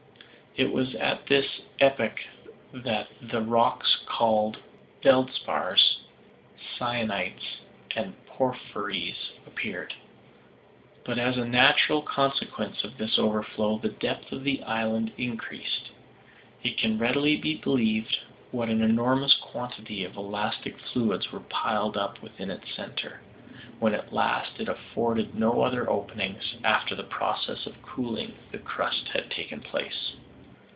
It was at this epoch that the rocks called feldspars, syenites, and porphyries appeared. But as a natural consequence of this overflow, the depth of the island increased. It can readily be believed what an enormous quantity of elastic fluids were piled up within its centre, when at last it afforded no other openings, after the process of cooling the crust had taken place.